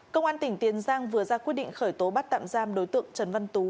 công an tỉnh tiền giang vừa ra quyết định khởi tố bắt tạm giam đối tượng trần văn tú